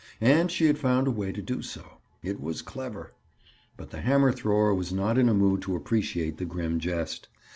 And she had found a way to do so. It was clever. But the hammer thrower was not in a mood to appreciate the grim jest.